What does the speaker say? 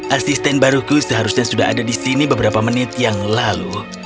asisten baruku seharusnya sudah ada di sini beberapa menit yang lalu